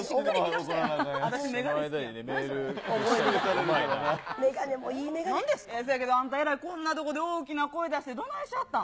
せやけど、あんた、えらいこんなとこで大きな声出して、どないしはったん。